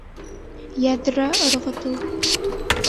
Йәҙрә ырғытыу